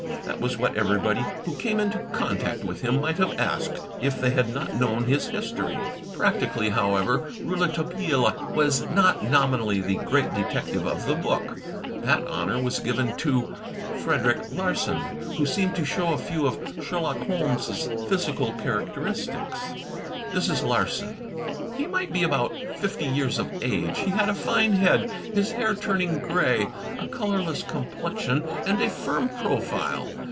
That was what everybody who came into contact with him might have asked, if they had not known his history. Practically, however, Rx)uletabille was not nominally the great detective of the book — that honor was given to Freder 158 THE TECHNIQUE OF THE MYSTERY STORY ick Larsan — who seemed to show a few of Sherlock Holmes' physical characteristics. This is Larsan: He might be about fifty years of age. He had a fine head, his hair turning grey; a colourless complexion, and a firm profile.